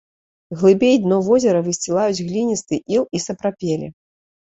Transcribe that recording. Глыбей дно возера высцілаюць гліністы іл і сапрапелі.